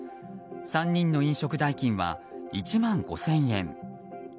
３人の飲食代金は１万５０００円。